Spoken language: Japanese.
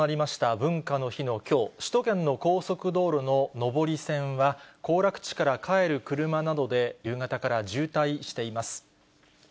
文化の日のきょう、首都圏の高速道路の上り線は、行楽地から帰る車などで、夕方から渋滞しています。